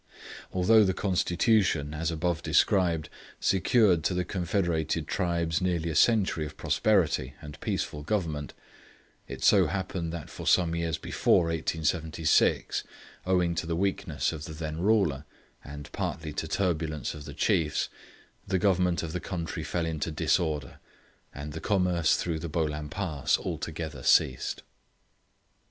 Although the constitution as above described secured to the confederated tribes nearly a century of prosperity and peaceful government, it so happened that for some years before 1876, owing to the weakness of the then ruler, and partly to turbulence of the chiefs, the government of the country fell into disorder, and the commerce through the Bolam Pass altogether ceased.